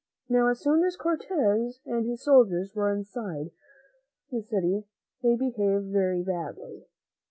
Now, as soon as Cortez and his soldiers were inside the city they behaved very badly.